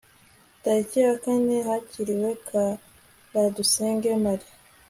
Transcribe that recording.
tariki yakane hakiriwe kuradusenge marie